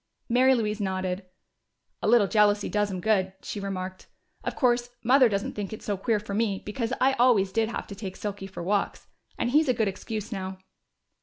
Mary Louise nodded. "A little jealousy does 'em good," she remarked. "Of course, Mother doesn't think it's so queer for me, because I always did have to take Silky for walks. And he's a good excuse now."